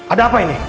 ada apa ini